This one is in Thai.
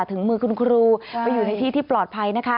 ถึงมือคุณครูไปอยู่ในที่ที่ปลอดภัยนะคะ